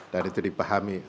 dan itu dipahami